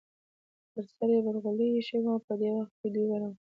پر سر یې برغولی ایښی و، په دې وخت کې دوی ورغلې.